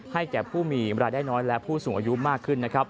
ให้แก่ผู้มีบรรยายได้น้อยและผู้สูงอายุมากขึ้น